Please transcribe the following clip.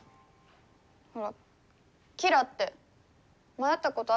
ほらキラって前会ったことあるでしょ？